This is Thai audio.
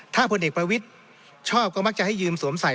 ถ้าพลเอกประวิทย์ชอบก็มักจะให้ยืมสวมใส่